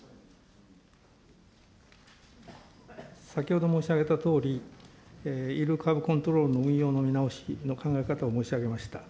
先ほど申し上げたとおり、イールドカーブコントロールの運用の見直しの考え方を申し上げました。